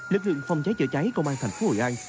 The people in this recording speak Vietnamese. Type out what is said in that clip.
lực lượng phòng cháy chữa cháy công an thành phố hội an